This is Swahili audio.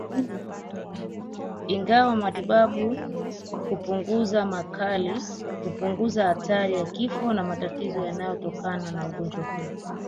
Ingawa matibabu kupunguza makali hupunguza hatari ya kifo na matatizo yanayotokana na ugonjwa huu